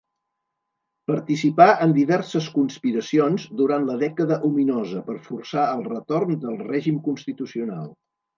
Participà en diverses conspiracions durant la Dècada Ominosa per forçar el retorn del règim constitucional.